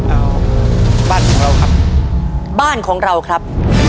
เอาบ้านของเราครับบ้านของเราครับ